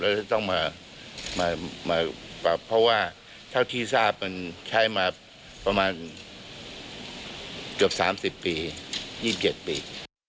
แล้วจะต้องมาเพราะว่าเท่าที่ทราบมันใช้มาประมาณเกือบสามสิบปียี่สิบเกิดปี